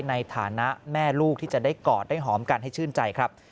ในฐานะแม่ลูกที่จะได้กอดได้หอมกันให้ชื่นใจครับ